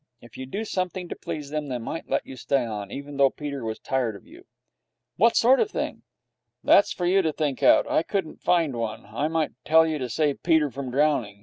If you do something to please them, they might let you stay on, even though Peter was tired of you.' 'What sort of thing?' 'That's for you to think out. I couldn't find one. I might tell you to save Peter from drowning.